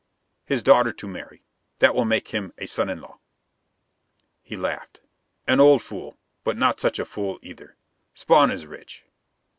His daughter to marry: that will make him a son in law." He laughed. "An old fool, but not such a fool either. Spawn is rich."